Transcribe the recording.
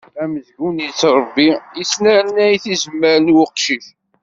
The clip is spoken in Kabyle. Amezgun yettrebbi yesnernay tizemmar n uqcic.